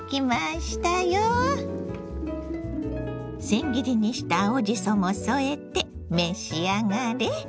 せん切りにした青じそも添えて召し上がれ。